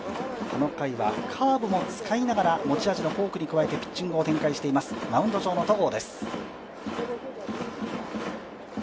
この回はカーブも使いながら、持ち味のフォークに加えてピッチングを展開していきます、マウンド上の戸郷です。